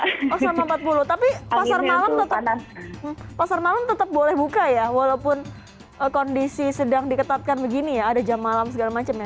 oh sama empat puluh tapi pasar malam pasar malam tetap boleh buka ya walaupun kondisi sedang diketatkan begini ya ada jam malam segala macem ya